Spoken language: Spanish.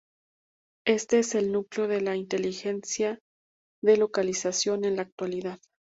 Este es el núcleo de la inteligencia de localización en la actualidad.